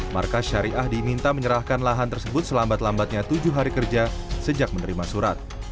markas syariah diminta menyerahkan lahan tersebut selambat lambatnya tujuh hari kerja sejak menerima surat